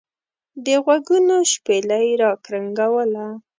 دغوږونو شپېلۍ را کرنګوله.